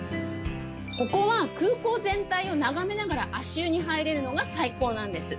ここは空港全体を眺めながら足湯に入れるのが最高なんです